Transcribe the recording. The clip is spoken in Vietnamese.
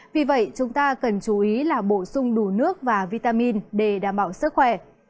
vì vậy chúng ta cần chú ý là bổ sung đủ nước và vitamin để đảm bảo sức khỏe